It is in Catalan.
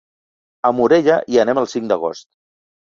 A Morella hi anem el cinc d'agost.